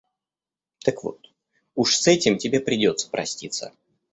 Так вот уж с этим тебе придётся проститься.